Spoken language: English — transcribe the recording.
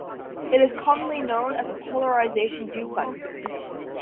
It is commonly referred to as a "polarisation duplexer".